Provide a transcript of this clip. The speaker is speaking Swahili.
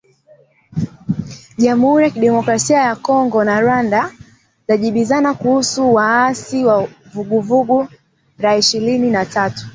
Jamhuri ya Kidemokrasia ya Kongo na Rwanda zajibizana kuhusu waasi wa Vuguvugu la Ishirini na tatu